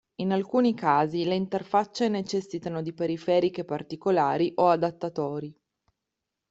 In alcuni casi le interfacce necessitano di periferiche particolari o adattatori.